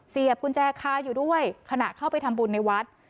กุญแจคาอยู่ด้วยขณะเข้าไปทำบุญในวัด